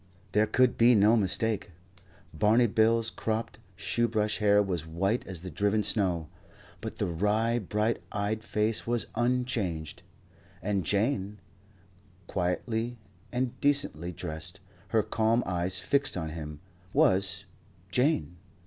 There could be no mistake. Barney Bill's cropped, shoe brush hair was white as the driven snow; but the wry, bright eyed face was unchanged. And Jane, quietly and decently dressed, her calm eyes fixed on him, was Jane.